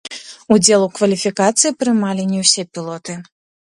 Удзел у кваліфікацыі прымалі не ўсе пілоты.